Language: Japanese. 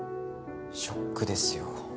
ショックですよ。